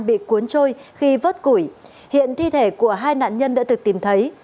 bị cuốn trôi khi vớt củi hiện thi thể của hai nạn nhân đã được tìm thấy